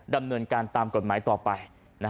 ดำเนินการตามกฎหมายต่อไป